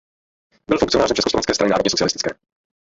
Byl funkcionářem Československé strany národně socialistické.